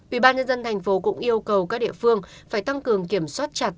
ubnd tp hcm cũng yêu cầu các địa phương phải tăng cường kiểm soát chặt